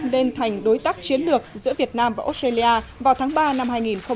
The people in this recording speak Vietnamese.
lên thành đối tác chiến lược giữa việt nam và australia vào tháng ba năm hai nghìn hai mươi